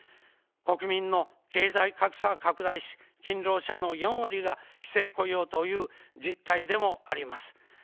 国民の経済格差は拡大し、勤労者の４割が非正規雇用という実態でもあります。